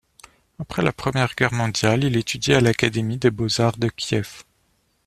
Après la Première Guerre mondiale, il étudie à l'académie des Beaux-Arts de Kiev.